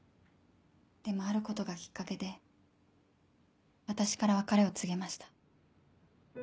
でもあることがきっかけで私から別れを告げました。